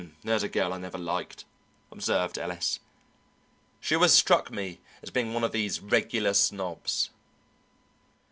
"There's a girl I never liked," observed Ellis. "She always struck me as being one of these regular snobs."